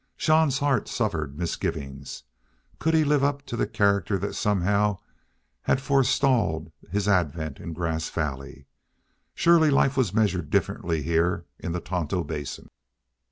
Jean's heart suffered misgivings. Could he live up to the character that somehow had forestalled his advent in Grass Valley? Surely life was measured differently here in the Tonto Basin.